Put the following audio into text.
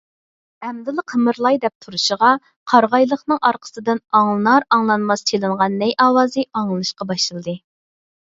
ئەمدىلا قىمىرلاي دەپ تۇرۇشىغا، قارىغايلىقنىڭ ئارقىسىدىن ئاڭلىنار - ئاڭلانماس چېلىنغان نەي ئاۋازى ئاڭلىنىشقا باشلىدى.